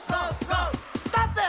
「ストップ！」